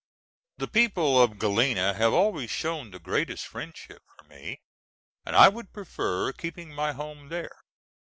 The people of Galena have always shown the greatest friendship for me and I would prefer keeping my home there.